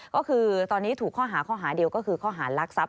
ก็คือตอนนี้ถูกข้อหาข้อหาเดียวก็คือข้อหารลักทรัพย